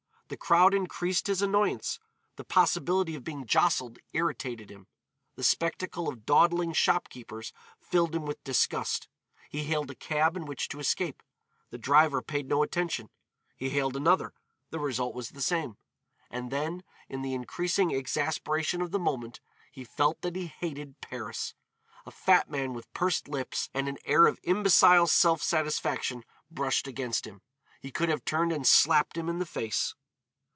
The crowd increased his annoyance. The possibility of being jostled irritated him, the spectacle of dawdling shop keepers filled him with disgust. He hailed a cab in which to escape; the driver paid no attention; he hailed another; the result was the same, and then in the increasing exasperation of the moment he felt that he hated Paris. A fat man with pursed lips and an air of imbecile self satisfaction brushed against him. He could have turned and slapped him in the face.